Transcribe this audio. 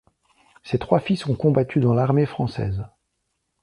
Ses trois fils ont combattu dans l'armée française.